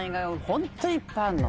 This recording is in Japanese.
ホントいっぱいあんの。